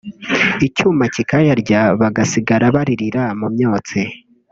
icyuma kikayarya bagasigara baririra mu myotsi